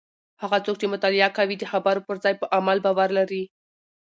هغه څوک چې مطالعه کوي د خبرو پر ځای په عمل باور لري.